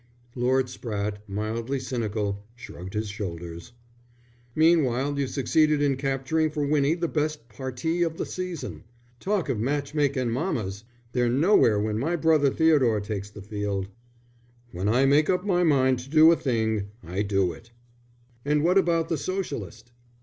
Lord Spratte, mildly cynical, shrugged his shoulders. "Meanwhile you've succeeded in capturing for Winnie the best parti of the season. Talk of match makin' mammas! They're nowhere when my brother Theodore takes the field." "When I make up my mind to do a thing I do it." "And what about the Socialist?"